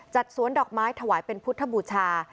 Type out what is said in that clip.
สวนดอกไม้ถวายเป็นพุทธบูชา